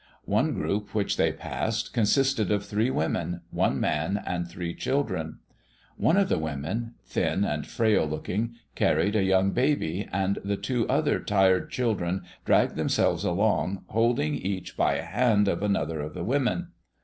One group which they passed consisted of three women, one man, and three children. One of the women thin and frail looking carried a young baby, and the two other tired children dragged themselves along, holding each by a hand of another of the women.